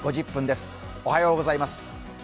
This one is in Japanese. おはようございます。